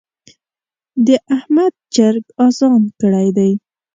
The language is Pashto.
د احمد چرګ اذان کړی دی.